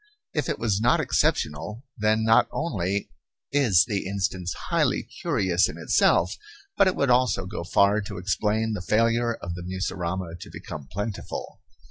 If it was not exceptional, then not only is the instance highly curious in itself, but it would also go far to explain the failure of the mussurama to become plentiful.